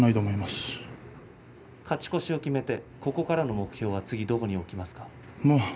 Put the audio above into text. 勝ち越しを決めてここからの目標は次どこに置きますか？